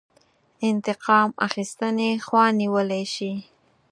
انتقام اخیستنې خوا نیولی شي.